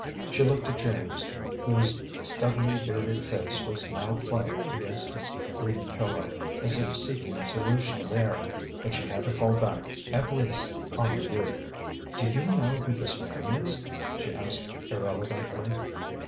She looked at James, whose stubbly bearded face was now quiet against its green pillow, as if seeking a solution there; but she had to fall back, at last, on the youth. "Do you know who this man is?" she asked irrelevantly.